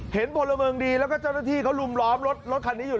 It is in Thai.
พลเมืองดีแล้วก็เจ้าหน้าที่เขาลุมล้อมรถรถคันนี้อยู่